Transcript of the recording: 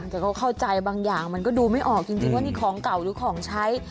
แต่ก็เข้าใจบางอย่างมันก็ดูไม่ออกจริงว่านี่ของเก่าหรือของใช้